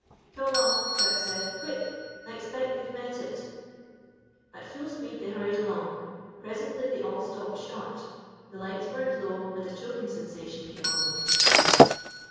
"Come along," Jack said. "Quick! I expect they've met it." At full speed they hurried along. Presently they all stopped short; the lights burnt low, and a choking sensation came on them.